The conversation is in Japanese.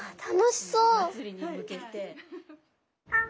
祭りに向けて。